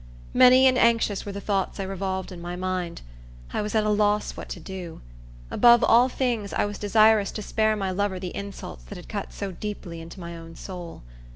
Many and anxious were the thoughts I revolved in my mind. I was at a loss what to do. Above all things, I was desirous to spare my lover the insults that had cut so deeply into my own soul.